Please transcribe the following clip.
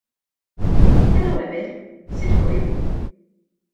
Helo Emyr, sut hwyl?